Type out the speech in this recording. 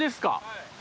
はい。